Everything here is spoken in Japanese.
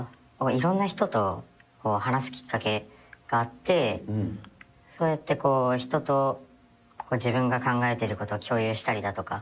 いろんな人と話すきっかけがあって、そうやって人と自分が考えてることを共有したりだとか。